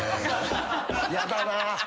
やだなぁ。